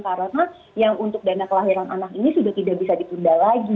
karena yang untuk dana kelahiran anak ini sudah tidak bisa ditunda lagi